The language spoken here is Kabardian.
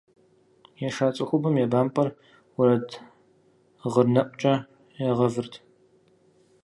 Еша цӀыхубэм я бампӀэр уэрэд гъырнэӀукӀэ ягъэвырт.